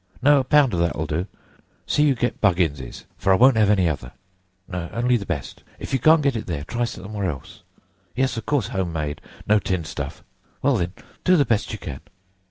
—no, a pound of that will do—see you get Buggins's, for I won't have any other—no, only the best—if you can't get it there, try somewhere else—yes, of course, home made, no tinned stuff—well then, do the best you can!"